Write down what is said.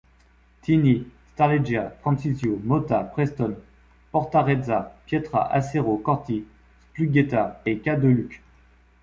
Tini, Strarleggia, Fraciscio, Motta, Prestone, Portarezza, Pietra, Acero, Corti, Splughetta et Ca' de Luch.